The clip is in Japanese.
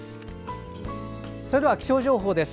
それでは気象情報です。